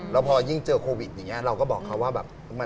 แล้วพอยิ่งเจอโควิดอย่างนี้เราก็บอกเขาว่าแบบ